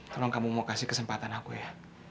tolong kamu mau kasih kesempatan aku ya